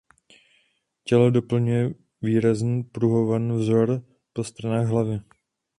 Tělo doplňuje výrazný pruhovaný vzor po stranách hlavy.